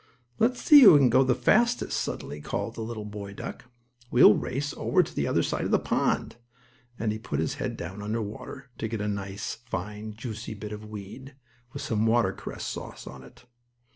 "Let's see who can swim the fastest!" suddenly called the little boy duck. "We'll race over to the other side of the pond," and he put his head down under the water to get a fine, juicy bit of weed, with some water cress sauce on it.